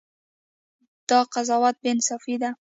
دا قضاوت بې انصافي ده.